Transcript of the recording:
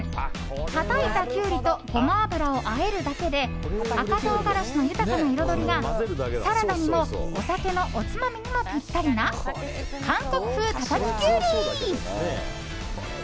たたいたキュウリとゴマ油をあえるだけで赤唐辛子の豊かな彩りがサラダにもお酒のおつまみにもピッタリな韓国風たたききゅうり。